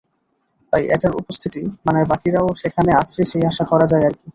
তাই এটার উপস্থিতি মানে বাকিরাও সেখানে আছে সেই আশা করা যায় আর কি।